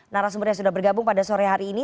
narasumber yang sudah bergabung pada sore hari ini